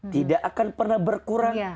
tidak akan pernah berkurang